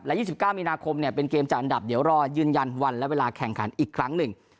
๒๙มีนาคมเนี่ยเป็นเกมจัดอันดับเดี๋ยวรอยืนยันวันและเวลาแข่งขันอีกครั้งหนึ่ง